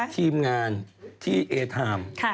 ทีมงานที่เอเทอร์คอร์ม